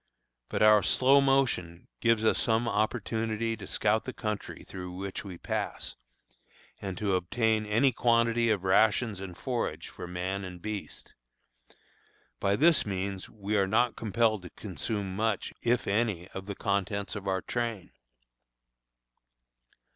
But our slow motion gives us some opportunity to scout the country through which we pass, and to obtain any quantity of rations and forage for man and beast. By this means we are not compelled to consume much, if any, of the contents of our train.